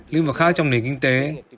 lĩnh vực khác trong nền kinh tế